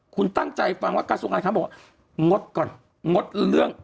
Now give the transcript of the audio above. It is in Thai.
คุณตั้งใจฟังว่ากระทรวงการค้าบอกว่างดก่อนงดเรื่อง